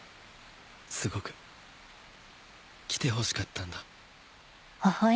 すごく来てほしかったんだ。